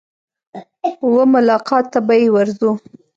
وه ملاقات ته به يې ورځو.